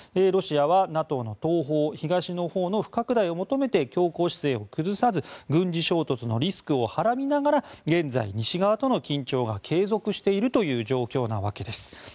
ロシアはＮＡＴＯの東方東のほうの不拡大を求めて強硬姿勢を崩さず軍事衝突のリスクをはらみながら現在、西側との緊張が継続しているという状況なわけです。